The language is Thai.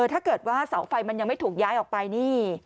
ถ้าเกิดว่าเสาไฟมันยังไม่ถูกย้ายออกไปนี่